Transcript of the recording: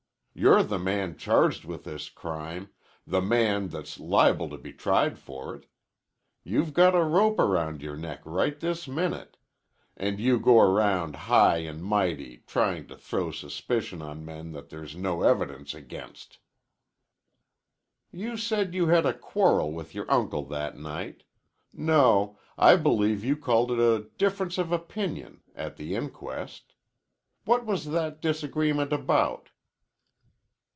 You're the man charged with this crime the man that's liable to be tried for it. You've got a rope round your neck right this minute and you go around high and mighty trying to throw suspicion on men that there's no evidence against." "You said you had a quarrel with your uncle that night no, I believe you called it a difference of opinion, at the inquest. What was that disagreement about?"